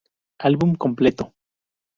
Álbum completo